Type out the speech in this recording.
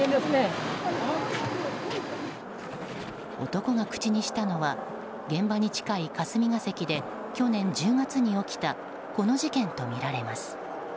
男が口にしたのは現場に近い霞が関で去年１０月に起きたこの事件とみられます。